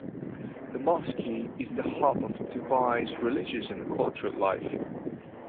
The mosque is the hub of Dubai's religious and cultural life.